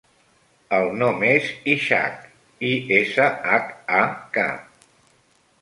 El nom és Ishak: i, essa, hac, a, ca.